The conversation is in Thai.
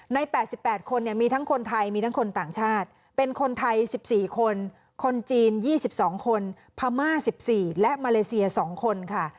๘๘คนมีทั้งคนไทยมีทั้งคนต่างชาติเป็นคนไทย๑๔คนคนจีน๒๒คนพม่า๑๔และมาเลเซีย๒คนค่ะ